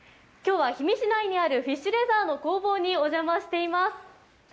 きょうは氷見市内にあるフィッシュレザーの工房にお邪魔しています。